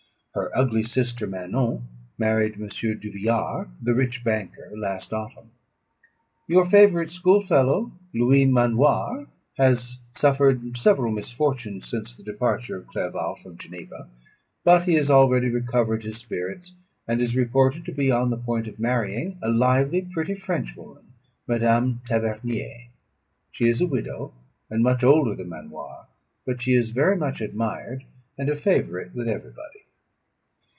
Her ugly sister, Manon, married M. Duvillard, the rich banker, last autumn. Your favourite schoolfellow, Louis Manoir, has suffered several misfortunes since the departure of Clerval from Geneva. But he has already recovered his spirits, and is reported to be on the point of marrying a very lively pretty Frenchwoman, Madame Tavernier. She is a widow, and much older than Manoir; but she is very much admired, and a favourite with everybody.